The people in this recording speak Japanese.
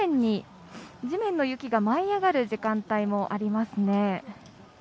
地面の雪が舞い上がる時間帯もありますね。